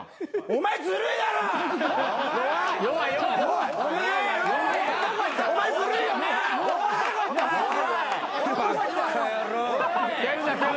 お前ずるいよな！？